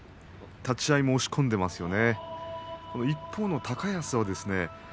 立ち合いも押し込んでますね。